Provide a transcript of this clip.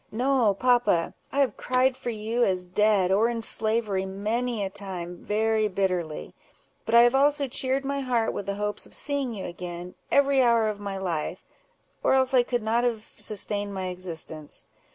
No, papa! I have cried for you, as dead, or in slavery, many a time, very bitterly; but I have also cheered my heart with the hopes of seeing you again, every hour of my life, or else I could not have sustained my existence.